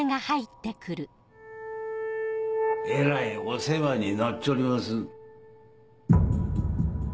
えらいお世話になっちょります。